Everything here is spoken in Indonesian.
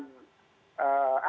dan juga kemas kota